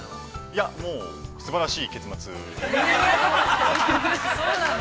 ◆いや、もうすばらしい結末◆そうなの？